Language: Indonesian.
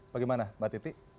bagaimana mbak titi